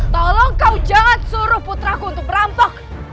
tolong kau jangan suruh putra ku untuk merampok